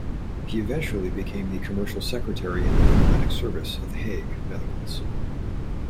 He eventually became Commercial Secretary in the Diplomatic Service at The Hague, Netherlands.